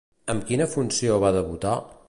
Amb quina funció va debutar?